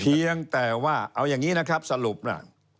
เพียงแต่ว่าเอาอย่างนี้นะครับสรุปน่ะ